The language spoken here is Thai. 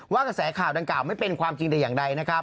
กระแสข่าวดังกล่าไม่เป็นความจริงแต่อย่างใดนะครับ